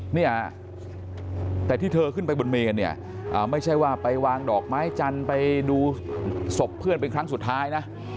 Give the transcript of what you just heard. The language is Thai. เนี่ยแต่ที่เธอขึ้นไปบนเมนเนี่ยไม่ใช่ว่าไปวางดอกไม้จันทร์ไปดูศพเพื่อนเป็นครั้งสุดท้ายนะ